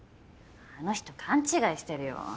あの人勘違いしてるよ。